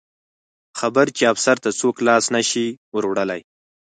خبر چې افسر ته څوک لاس نه شي وروړلی.